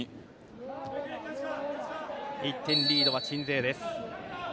１点リードは鎮西です。